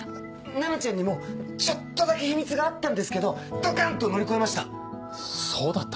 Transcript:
菜奈ちゃんにもちょっとだけ秘密があったんですけどドカンと乗り越えました。